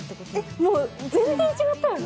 もう全然違ったよね。